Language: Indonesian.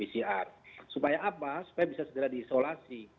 supaya apa supaya bisa segera diisolasi